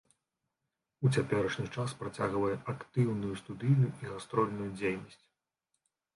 У цяперашні час працягвае актыўную студыйную і гастрольную дзейнасць.